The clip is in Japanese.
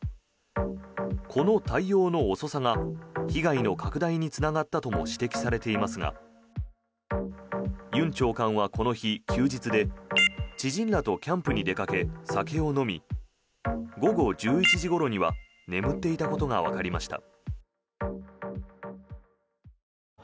この対応の遅さが被害の拡大につながったとも指摘されていますがユン庁長はこの日、休日で知人らとキャンプに出かけ酒を飲み午後１１時ごろには眠っていたことがわかりました。